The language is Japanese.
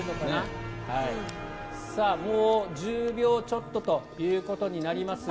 もう１０秒ちょっとということになります。